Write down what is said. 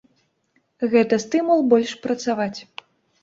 Гэта стымул больш працаваць.